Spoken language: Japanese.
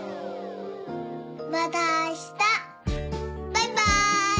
バイバーイ。